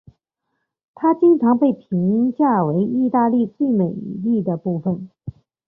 它经常被评价为意大利的最美丽的部分。